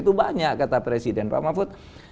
itu banyak kata presiden pak mahfud